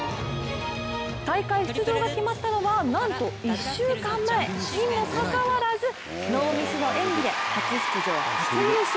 大会出場が決まったのはなんと１週間前にもかかわらず、ノーミスの演技で初出場初優勝。